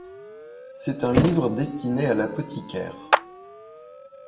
C'est un livre destiné à l'apothicaire.